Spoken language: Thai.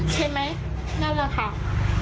ใช่ไหมนั่นแหละค่ะ